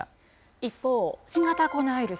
一方、新型コロナウイルス。